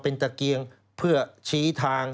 เป็นตะเกียงเพื่อชี้ทาง